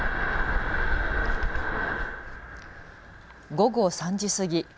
午後３時過ぎ。